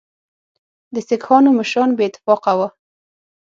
د سیکهانو مشران بې اتفاقه وه.